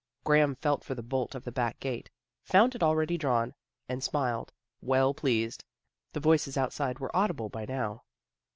Graham felt for the bolt of the back gate, found it already drawn, and smiled, well pleased. The voices outside were audible by now.